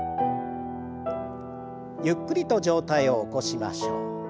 ゆっくりと上体を起こしましょう。